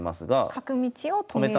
角道を止める。